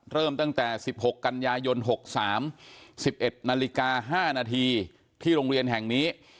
เริ่มตั้งแต่๑๖กันยายน๖๓๐น๑๑น๕นที่โรงเรียนแห่งนี้